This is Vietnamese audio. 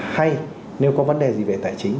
hay nếu có vấn đề gì về tài chính